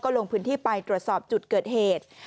ลงพื้นที่ไปตรวจสอบจุดเกิดเหตุ